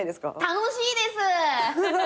楽しいです！